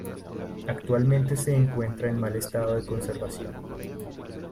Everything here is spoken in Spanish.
Actualmente se encuentra en mal estado de conservación.